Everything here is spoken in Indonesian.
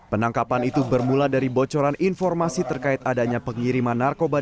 penangkapan itu bermula dari bocoran informasi terkait adanya pengiriman narkoba